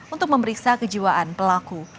untuk memeriksa kejiwaan pelaku